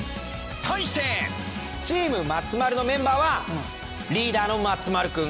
対してチーム松丸のメンバーはリーダーの松丸くん。